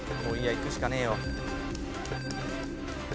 いくしかねえよ。